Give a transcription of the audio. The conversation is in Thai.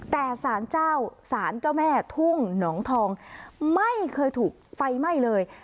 แต่สารเจ้าสารเจ้าแม่ทุ่งหนองทองไม่เคยถูกไฟไหม้เลย